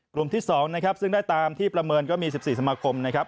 ที่๒นะครับซึ่งได้ตามที่ประเมินก็มี๑๔สมาคมนะครับ